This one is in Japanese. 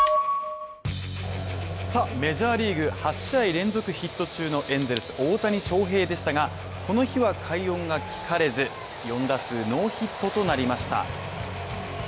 さあ、メジャーリーグ８試合連続ヒット中のエンゼルス・大谷翔平でしたが、この日は快音が聞かれず、４打数ノーヒットとなりました。